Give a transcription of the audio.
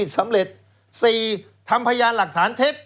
สี่ทำพยานหลักฐานเท็จ